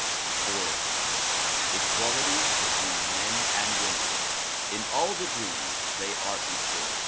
Fourth ; equality between men and women. In all degrees they are equal.